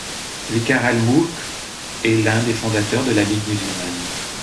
Vicar-ul-Mulk est l'un des fondateurs de la Ligue musulmane.